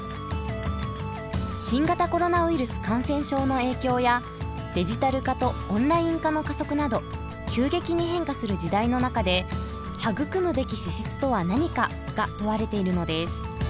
新型コロナウイルス感染症の影響やデジタル化とオンライン化の加速など急激に変化する時代の中で「育むべき資質とはなにか」が問われているのです。